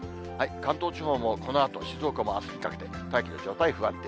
関東地方もこのあと静岡もあすにかけて、大気の状態不安定。